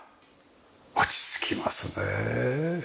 落ち着きますね。